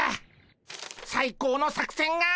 最高の作戦が！